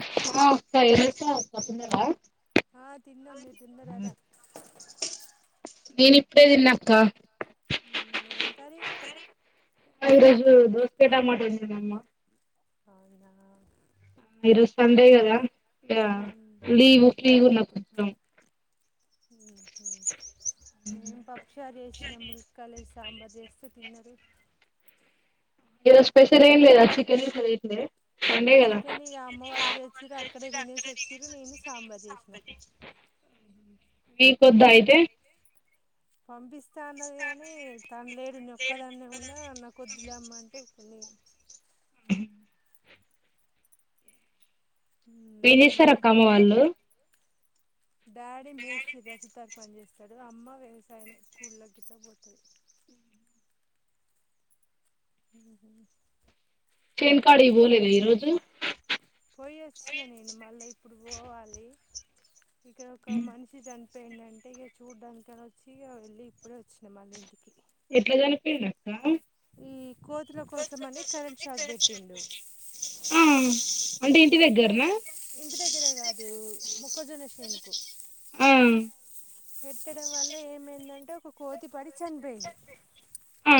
[unintelligible] ఆ తిన్నాం మీరు తిన్నారా రా నేను ఇప్పుడే తిన్నా అక్క ఎమ్ కర్రీ ఈరోజు దోస టమాటో వండింది అమ్మ ఆ ఇంగ ఇది సండే కదా ఇగ మేము లీవ్ ఫ్లీవ్ నాకి ఇష్టం ఉ మేము పప్పుసారు చేసినం మునక్కాయలు వేసి సాంబార్ చేస్తే తిన్నారు ఈ రోజు స్పెషల్ ఏ లేదా చికెన్ గిట్ల తిండ్లే సండే కదా చికెన్ ఇక అమ్మ వాళ్ళు తెచ్చిరు అక్కడే తినేసి వచ్చిరు నేను సాంబార్ చేసిన నీ కొద్దా అయితే పంపిస్తే తన్నది కాని తను లేడు నొక్కదాన్న ఉన్నా నాకొద్దులేమ్మ అంటే కొని ఎం మా చేస్తారు అక్క అమ్మ వాళ్ళు డాడీ మేసిర సుతారు పని చేేస్తాడు అమ్మ వ్యవసాయమే స్కూళ్ గట్లా పోతుంది ఇకు చేను కాడికి బోలేనా ఈరోోజు పోయ వచ్చిన నేను మళ్ళ ఇప్పుడు పోవాలి ఇక్కడ ఒక మనిషి జాన్ పెం అంటే ఇక చూడ్డానికైనా వచ్చి ఇక వెళ్ళి ఇప్పుడే వచ్చినాయి మళ్ళ ఇంటికి ఎట్లా చనిపోయిండు అక్క హు కోతుల కోసం అని కరెంట్ షాక్ పెట్టిండు ఆ అంటే ఇంటి అయితే దగ్గరనా ఇంటి దగ్గరే కాదు మొక్కజొన్న శేనుకు ఆ పెట్టడం వల్ల ఏమైందంటే కోతి పడి చనిపోయింది ఆ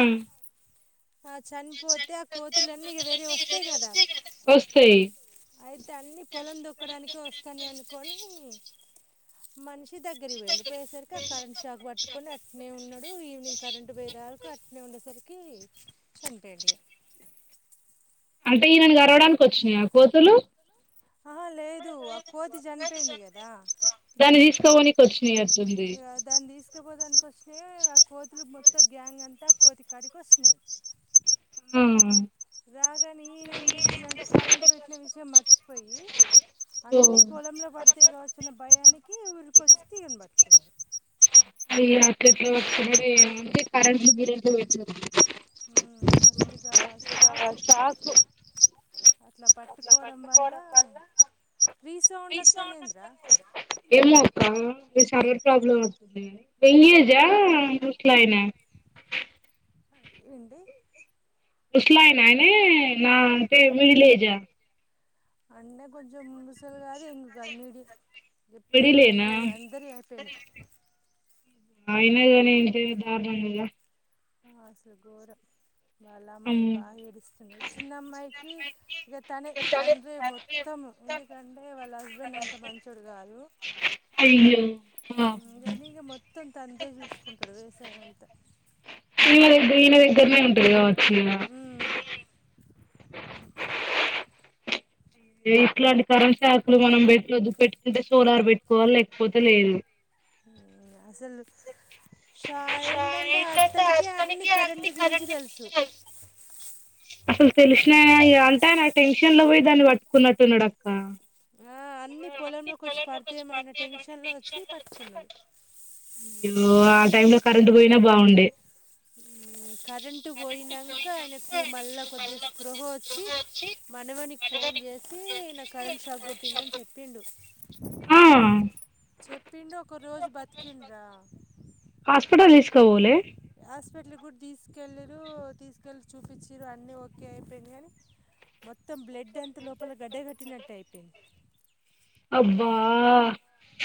ఆ చనిపోతే ఆ కోతులన్నీ ఇక వేరే వస్తాయి కదా వస్తాయి అయితే అన్ని పొలం దొక్కడానికే వస్తాన్నాయి అనుకోని మనుష దగ్గరికి పోయిండు పోయేసరికి ఆ కరెంట్షాక్ పట్టుకొని అట్నే ఉన్నాడు ఈవిెనింగ్ కరెంట్ పోయేదాకా అట్నే ఉండేసరికి చనిపోయిండు ఈగ అంటే ఈయనను గరవడానికి వచ్చినియా కోతులు ఆహా లేదు ఆ కోతి చనిపోయింది కదా దాన్ని తీసుకోపోనికి వచ్చినట్టుంది దాన్ని తీసుకపోధాం ఆ కోతులు మొత్తం గ్యాంగ్ అంతా కోతి కాడికి వస్తునయి ఆ.. రాగాని ఈయనేమ్ చేసిండు అంటే కరెన్ట్ పెట్టిన విషయం మర్చిపోయి ఓ అన్నిీ పొలంలో పడితయిగా వచ్ఛిన భయానికి ఉరికొచ్చి తీగని పట్టుకున్నాడు ఇగా అట్లెట్ల పట్టుకున్నాడు ఏమో ఈ కరెంట్ [unintelligible] ఉమ్, అసలు ఇక షాకు అట్లా పట్టుకోవడం వల్ల రీసౌండ్ వస్తుందేంద్ర ఏమో అక్క సర్వర్ ప్రాబ్లమ్ వత్తది ఎంగేజ్ ఆ రూట్ లైన్ ఆ ఏంటి ముసలాయనానే నా అంటె మిడిలేజ అన్నే కొంచెం ముసలు కాదు యంగు కాదు మిడిలి. పిల్లల మిడిలేనా పెళ్ళిళ్ళు అందరి అయిపోయినాయి అయిన గాని ఎంతైనా పాపం కదా అసలు గోరం వాళ్ళ అమ్మాయిలు అమ్మో బాగా ఏడుస్తున్నారు చిన్న అమ్మాయికి ఇక తనే తండ్రే మొత్తం, ఎందుకంటే వాళ్ళ హస్బెండ్ అంత మంచోడు కాదు. అయ్యో పాపం కానీ ఇక మొత్తం తండ్రే చూసుకుంటాడు వేస్ సెవెంత్ ఈయన దగ్గర ఈయన దగ్గరనే ఉంటుందిగా వచ్చిలా ఇట్లాంటి కరెంట్ షాకులు మనం పెట్టొద్దు పెట్టుకుంటే సోలార్ పెట్టుకోవాలి లేకపోతే లేదు అసలు షా ఏంటంటే అతనికే అన్ని కరెంట్ గురించి తెలుసు అసలు తెలిసిన అంటే నా టెన్షన్ లో పోయి దాన్ని పట్టుకున్నట్టున్నాడక్క ఆ అన్ని పొలంలోకి వచ్చి పడితేమన్న టెన్షన్లో వచ్చి పట్టుకున్నాడు [unintelligible] టైమ్‌లో కరెంట్ పోయినా బాగుండే కరెంటు పోయినాక ఆయనకు మళ్ళా కొద్ది స్పృహ వచ్చి మనవనికి ఫోన్ చేసి ఈయనకు కరెంట్ షాక్ కొట్టిందని చెప్ప ప్పిండు ఆ చెప్పిండు ఒక రోజు బతికిండ్రా హాస్పిటల్ తీస్క బోలే హాస్పిటల్కి కూడా తీసుకెళ్ళిరు తీసుకెళ్ళి చూపించిరు అన్నీ ఓకే అయిపోయింది కానీ మొత్తం బ్లడ్ అంత లోపల గడ్డ కట్టినట్టు అయిపోయింది అబ్బా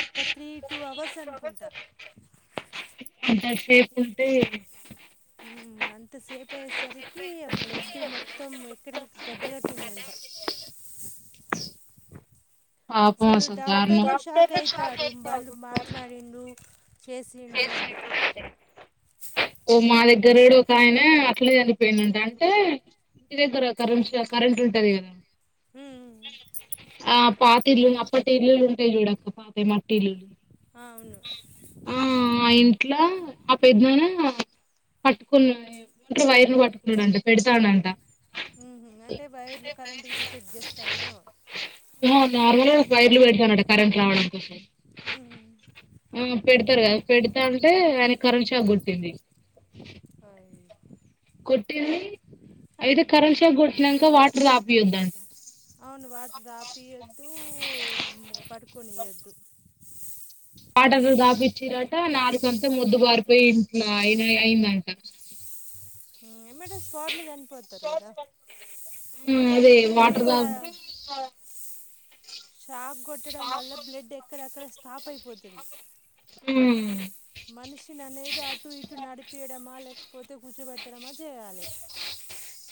ఒక త్రీ టూ అవర్స్ అనుకుంటా ఇంతే అంతసేపు అయ్యేసరికి ఆ బ్లడ్ మొత్తం ఎక్కడికి గడ్డగట్టిందంట పాపం అసలు దారుణం డాక్టర్లే షాక్ అయితారు వాళ్ళు మాట్లాడిండు చేసిండు అంటే ఓ మా దగ్గర ఒక ఆయన అట్లా చనిపోయిందింట అంటే మీ దగ్గర కరె కరెంట్ ఉంటది కదా మ్మ్ ఆ పాత ఇల్లు అప్పటి ఇల్లులు ఉంటాయి చూడక్క పాత మట్టి ఇల్లులు అవును ఆ ఆ ఇంట్లో ఆ ప ఎదునానా పట్టుకున్నా ఇంట వైర్ను పట్టుకున్నాడుంట పెడతానంట మ్మ్ అంటే వైర్లు కరెంట్ ఇట్లా చెక్ చేస్తాండు నార్మల్ ఒక వైర్లు పెడతానట కరెంట్ రావడం కోసం మ్మ్ ఆ పెడతారు కదా పెడతా అంటే ఆన కరెంట్ చా గుట్టింది అ కొట్టింది అయితే కరెంట్ షా కొడిచినక వాటర్ ఆపియద్ంట అవును వాటి తపియద్దు ఒక పటు కుణయదు పాటలు దాపిచ్చరట నాలుగుంతా ముద్దు బారిపోయి ఇంట్లో అయిన అయిందంట ఏమంటే స్పాట్లో చనిపోతారు కదా ఆ, అదే ఎందుకంటే వాటర్ కా తాగితే షాక్ కొట్టడం వల్ల బ్లడ్ ఎక్కడెక్కడ సాప్ అయిపోతుంది మనిషినినేది అటు ఇటు నడిపడ మాలె పోతే గుచ పట్ట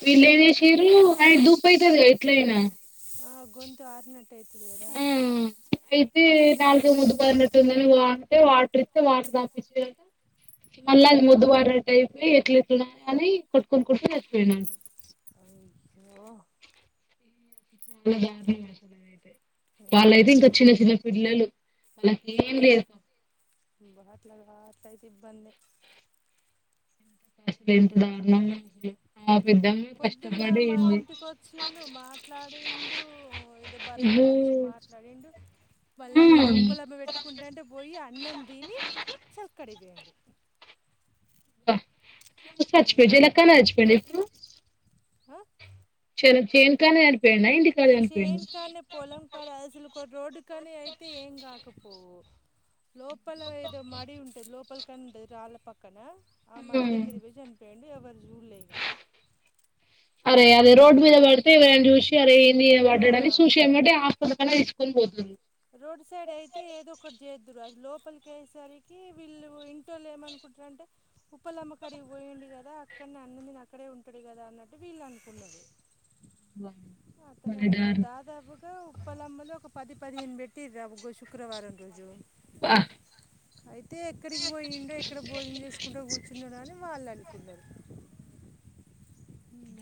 వీళ్ళేం చేషిర్రు కానీ దుప్పైతే వేట్లేనా ఆ గొంతు ఆరినట్ ఉమ్ అయితే నాలుగు మూడు పోరినట్టుందని వో అంటే వాటర్ ఇత్తే వాటర్ దాపి [inaudible] క మళ్ళ అది ఓద్దు [inaudible] టైపోయి ఎట్ల ఎట్లునా అని కొట్టుకొని కొట్టుకొని నచ్చిపోయిండంట అయ్యో [inaudible] అసలవైతే వాళ్ళయితే ఇంకా చిన్న చిన్న పిల్లలు వాళ్లకేం లేదు పాపం బా అట్లాగా అట్లైతే ఇబ్బందే [inaudible] ఆసలు ఇంత దారుణం [inaudible] పొద్దున్న మా ఇంటికి వచ్చిండు మాట్లాడిండు ఏదో బర్ర్ర అయ్యో గురించి మాట్లాడిండు మళ్ళా వేర ఉప్పలబ పెట్టుకుంటంటే పోయి అన్నం దిని చక్కడిపోయిండు వచ్చిపోయిడి చక్కడిపోయిండు ఎలాలక్కన వచ్చిపోయిడిప్పు చె చేను కానీ ఈ చేన్ కానే పొలం కాడ అసలుకో రోడ్డు కానీ అయితే ఏం కాక పోవు లోపల ఏదో మడి ఉంటది లోపల క్కనుంటది రాళ్ల పక్కన ఆ మడి హ్మ్. దగ్గరికి పోయి చనిపోయ్ ది ఎవరు జూడలే ఇక అరే అదే రోడ్ మీద పడితే ఎవరైనా చూసి అరే మీ ఆ పడ్డడని చూసి ఎమ్మటే ఆస్పటల్ కన్నా తీస్ కొన్ బోట్లిన్ రోడ్ సైడ్ అయితే ఏదో ఒకటి చేద్దురు అది లోప్ లోపలికయేసరికి వీళ్ళు ఇంటోళ్ళు ఏమనుకుంటరంటే ఉప్పలమ్మ కాడిగి పోయిండు కదా అక్కడనే అన్నం తిని అక్కడే ఉంటడు కదా అన్నట్టు వీళ్ళనుకున్నరు అతను భలే అట్లా దారుణం దాదాపుగా ఉప్పలమ్మలు ఒక పది పదిహేను పెట్టిర్రా అవుగో శుక్రవారం రోజు అబ్బా అయితే ఎక్కడికి పోయిండో ఎక్కడ భోజనం చేసుకుంటో కూర్చున్నడో అని వాళ్ళనుకున్నరు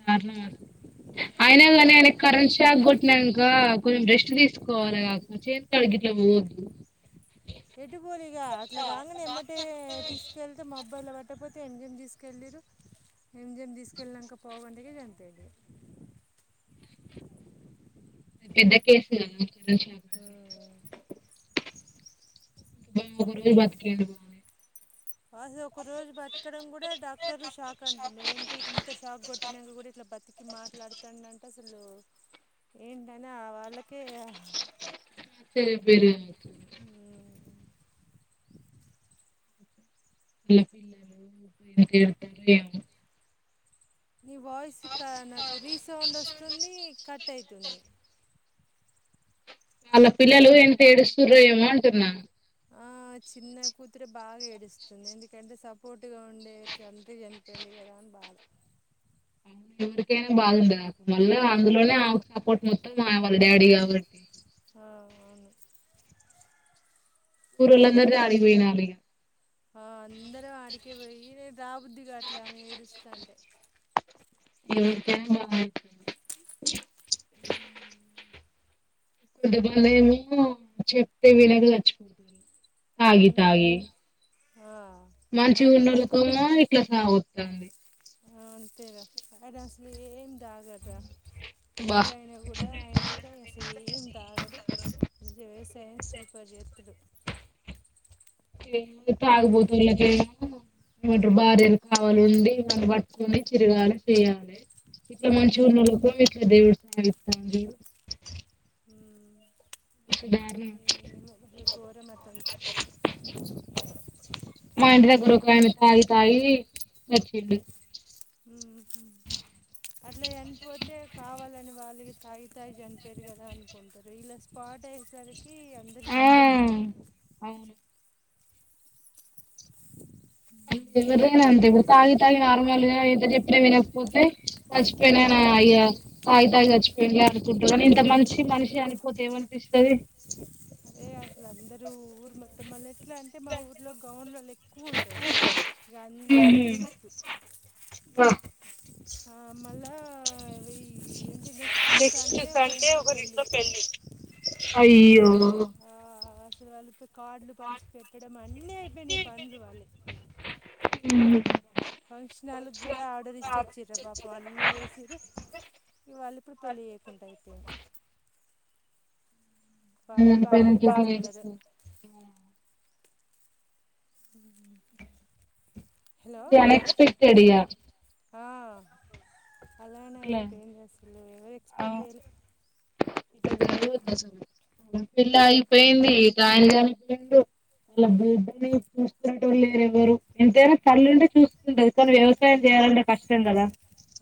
దారుణం అసలు అయినా అసలు గానీ ఘోరం ఆయన కరెంట్ షాక్ కొట్నాంక కొన్ రెస్ట్ చ్చి తీసుకోవాలి కాకపో చేత్త గిట్లా పోవద్దు ఎటు పోలిగా అట్లా కాంగనే ఎమ్మటే తీసుకెళ్తే మబ్ బ్బైల్లో పట్టకపోతే ఎం జి యం తీసుకెళ్లిరు ఎం జి ఎం తీసుకెళ్ళినంక పావు గంటకే చనిపోయిండిగ పెద్ద కేసు [inaudible] ఉమ్. [inaudible] అది ఒక రోజు బతకడం కూడ డాక్టర్ షాక్ అంటనే ఏంటి ఇంత షాక్ కొట్టి పుట్టినక కూడా ఇట్లా బతికి మాట్లాడుతాండంటే అసలు ఏంటని ఆ వాళ్ళకే మ్మ్. [inaudible] మీ పిల్లలు ఎక్కడికెళ్తారో ఏమో నీ వాయిస్ నాకు రీసౌండ్ వస్తుంది కట్ అయితు తుంది వాళ్ళ పిల్లలు ఎంత ఏడుస్తుర్రో ఏమో అంటున్నా చిన్న కూతురే బాగా ఏడుస్తుంది. ఎందుకంటే సపోర్ట్గా ఉండే తండ్రి చనిపోయిండు కదా అని బాధ ఎవరికేనా బాధుండద వాళ్ళు అందులోనే ఆవు సపోర్ట్ మొత్తం ఆవ ళ్ళు డాడీ కాబట్టి ఆ అవును ఊరోళ్ళందరూ జాలిపోయినారిగ ఆ అందరం ఆడికే పోయ్యి రే రాబుద్ది కాట్లే ఆమె ఏడుస్తాంటే [inaudible] [inaudible] చెప్తే వినక సచ్చిపోతుంది తాగి అవును తాగే ఆ మంచి ఉండలు అజ్మల్ [unintelligible] ఇట్లా కాగు అంది ఆ అంతేరా అది అసలు ఏం [unintelligible] బా ముసలు అయినా కూడా ఆయన కూడా ఇగ సేమ్ తాగడు [unintelligible] సూపర్ చేస్త తలు తాగబోతళ్ళకి ఏమో [inaudible] భార్యలు కావాలండి [inaudible] ఇట్ల మంచి [inaudible] దేవుడు [inaudible] మస్తు దారుణం గోరమతంత మా ఇంటి దగ్గర ఒకాయన తాగి తాగి సచ్చిపోయిండు ఉ అట్ల చనిపోతే కావాలని వాళ్ళకి తాగి తాగి చనిపోయారు కదా అనుకుంటారు ఇలా స్పాట్ అయ్యేసరికి ఈ అందరికి ఆ బాధ అవును ఎవరిరైనా అంతే ఇప్పుడు తాగి తాగి నార్మల్గా ఎంత చెప్పిన వినకపోతే సచ్చిపోయినాడ అయ్యా తాగి తాగి చచ్చిపోయి అడుకుంటురీ ఇంత మంచి మనిషి అనిపోతే ఏమనిపిస్తుంది అందరు ఊరు మొత్తం మళ్ళ ఎట్లా అంటే మా ఊర్లో గౌండ్ల ఉహు. వా, [inaudible] నెక్స్ట్ సండే ఒకరింట్లో పెళ్లి ఓ అసలు వాళ్ళ ఇద్దరు కాడ్ల పంచి పెట్టడం అన్నీ అయిపోయినాయి పనులు వాళ్ళే ఉమ్ ఫంక్షనాలకి కూడా ఆర్డర్ ఇచ్చొచ్చరా పాప అన్నీ చేసిరు ఇవాళ ఇప్పుడు పెళ్ళి చేయకుండా అయిపోయింది వాళ్ళు బాగా ఏడుస్తున్నారు [unintelligible] ఉమ్ ఇ అన్ ఎక్స్పెక్టెడ్ యా ఆ అలానే అయితే [inaudible] పిల్ల అయిపోయింది కాని [inaudible] ఎంతైనా తల్లింటే చూస్తుంటారు కానీ వ్యవసాయం చేయాలంటే కష్టం కదా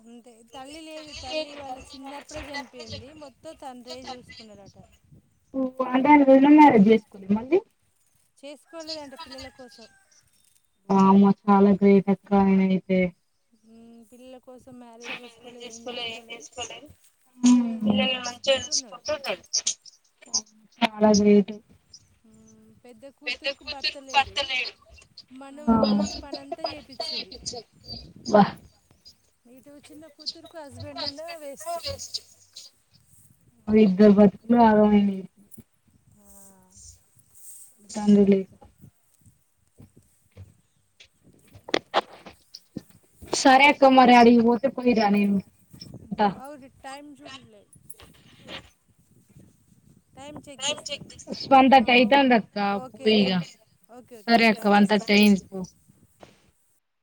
అంతే తల్లి లేదు తల్లి వాళ్ళ చిన్నప్పుడే చనిపోయింది మొత్తం తండ్రే చూసుకున్నాడట అంటే రెండో మ్యారేజ్ చేసుకోవలే మళ్ళీ చేసుకోలేదండి పిల్లల కోసం వామ్మే చాలా గ్రేట్ అక్క ఆయన అయితే ఉమ్ పిల్ల చేసుకోలే ఏం చేసుకోలే పిల్లల్ని పిల్ల మంచిగా చూసుకుంటున్నాడు ఎంచుకుంటూ అళ చేయదు పెద్ద కూతురుకు బర్తలేడు మనవనితోటి పనంతా చేపచ్చేది బా ను చిన్న కూతురుకు హస్బెండ్ ఉన్న వేస్ట్ ర్బతిలో ఆ చందు లే సారే అక్క మరి అడకి పోతే పెళ్లి రానీ అవుట్ టైమ్ జుల్లేె వన్ తట్టి అయితాంద అక్క ఓకేరా పోయిగా ఓకే ఓకే సరే అక్క కట్ వన్ తట్టి చేస్తున్నా అయింది పో